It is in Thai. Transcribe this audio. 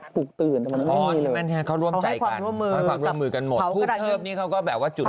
ฝุกตื่นแต่มันไม่มีเลยเอาให้ความร่วมมือกันหมดพูดเทิบนี้เขาก็แบบว่าจุด